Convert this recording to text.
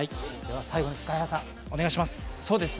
最後にＳＫＹ−ＨＩさん、お願いします。